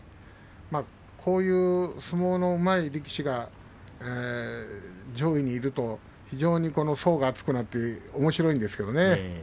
こういう相撲のうまい力士が上位にいますと非常に層が厚くなっておもしろいですね。